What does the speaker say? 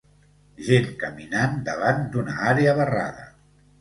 Gent caminant davant d'una àrea barrada.